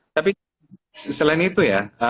tapi selain itu ya